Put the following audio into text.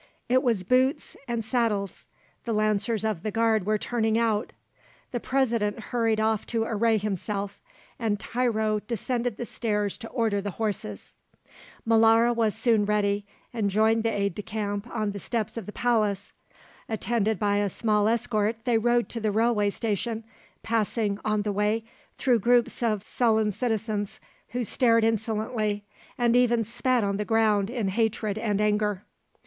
It was Boots and Saddles, the Lancers of the Guard were turning out. The President hurried off to array himself, and Tiro descended the stairs to order the horses. Molara was soon ready, and joined his aide de camp on the steps of the palace. Attended by a small escort they rode to the railway station, passing, on the way, through groups of sullen citizens who stared insolently, and even spat on the ground in hatred and anger.